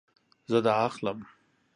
زه دا اخلم